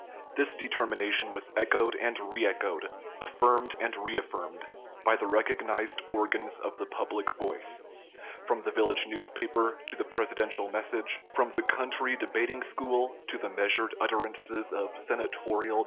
This determination was echoed and reechoed, affirmed and reaffirmed, by the recognized organs of the public voice from the village newspaper to the presidential message, from the country debating school to the measured utterances of senatorial discussion.